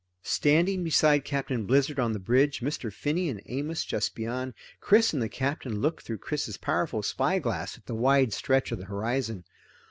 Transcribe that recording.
Standing beside Captain Blizzard on the bridge, Mr. Finney and Amos just beyond, Chris and the Captain looked through Chris's powerful spyglass at the wide stretch of the horizon.